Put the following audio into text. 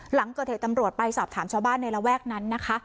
หลังเกิดเหตุตำรวจไปสอบถามชาวบ้านในระแวกนั้นนะคะ